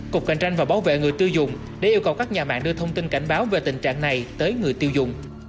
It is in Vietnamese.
cục cạnh tranh và bảo vệ người tiêu dùng đã yêu cầu các nhà mạng đưa thông tin cảnh báo về tình trạng này tới người tiêu dùng